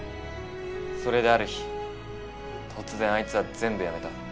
それである日突然あいつは全部やめた。